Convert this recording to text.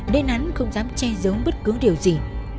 nên hắn không dám che giấu bất cứ điều gì